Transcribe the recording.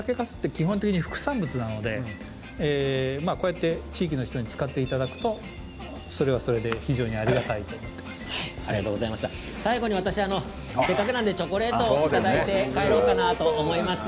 基本的に副産物なのでこうやって地域の人に使っていただくとそれはそれで非常に最後に渡しせっかくなのでチョコレートをいただいて帰ろうかなと思います。